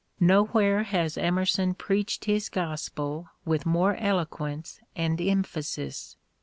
Nowhere has Emer son preached his gospel with more eloquence and emphasis.